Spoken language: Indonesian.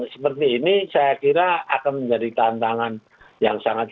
seperti agama yahudi atau judaism islam dan lain lain